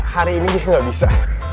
hari ini dia nggak bisa